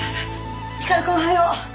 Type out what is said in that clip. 光くんおはよう。